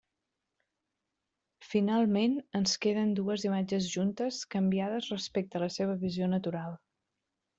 Finalment ens queden dues imatges juntes canviades respecte a la seva visió natural.